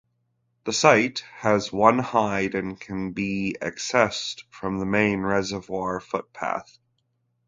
The site has one hide and can be accessed from the main reservoir footpath.